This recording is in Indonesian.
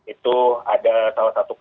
itu ada salah satuai dari terimek